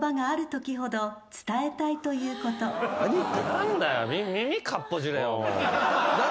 何だよ。